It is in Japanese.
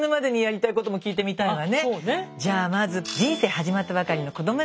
じゃあまず人生始まったばかりの子ども